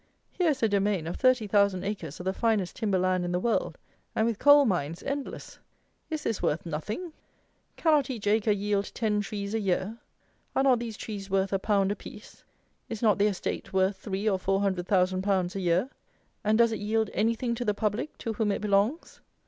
Here is a domain of thirty thousand acres of the finest timber land in the world, and with coal mines endless! Is this worth nothing? Cannot each acre yield ten trees a year? Are not these trees worth a pound apiece? Is not the estate worth three or four hundred thousand pounds a year? And does it yield anything to the public, to whom it belongs?